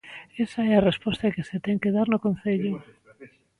Esa é a resposta que se ten que dar no Concello.